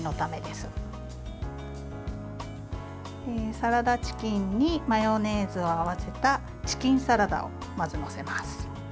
サラダチキンにマヨネーズを合わせたチキンサラダをまず載せます。